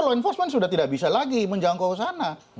law enforcement sudah tidak bisa lagi menjangkau sana